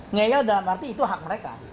ngeyel dalam arti itu hak mereka